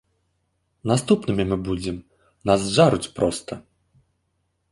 Наступнымі мы будзем, нас зжаруць проста.